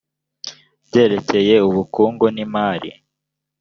byerekeye ubukungu n imari